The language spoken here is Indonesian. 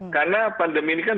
karena pandemi ini kan